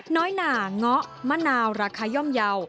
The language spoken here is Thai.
น้อยหน่าง้อมะนาวราคาย่อมเยา